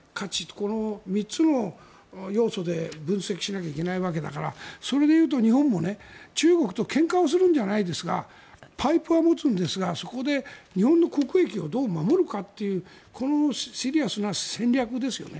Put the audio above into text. この３つの要素で分析しないといけないわけだからそれで言うと日本も中国とけんかをするんじゃないですがパイプは持つんですがそこで日本の国益をどう守るかっていうこのシリアスな戦略ですよね。